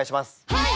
はい！